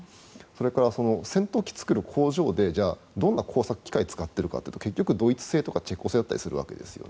それから戦闘機を作る工場でどんな工作機械を使っているかというと結局ドイツ製だったりチェコ製だったりするんです。